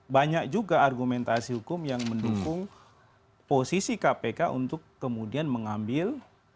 banyak juga argumentasi hukum yang mendukung posisi kpk untuk kemudian mengambil